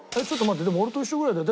でも俺と一緒ぐらいだよ。